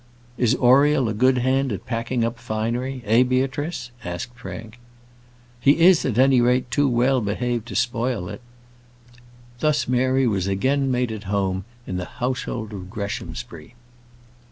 "Is Oriel a good hand at packing up finery eh, Beatrice?" asked Frank. "He is, at any rate, too well behaved to spoil it." Thus Mary was again made at home in the household of Greshamsbury.